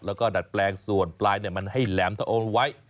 แล้วก็ดัดแปลงส่วนปลายมันให้แหลมทะโอนไว้